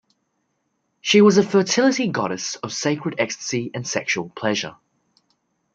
She was a fertility goddess of sacred ecstasy and sexual pleasure.